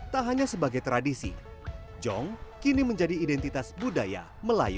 tak hanya sebagai tradisi jong kini menjadi identitas budaya melayu